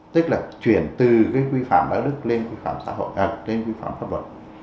tức là chuyển từ cái quy phạm đạo đức lên quy phạm xã hội lên quy phạm pháp luật